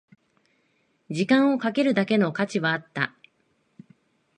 時間をかけるだけの価値はあった